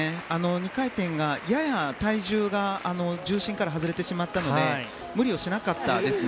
２回転がやや体重が重心から外れてしまったので無理をしなかったですね。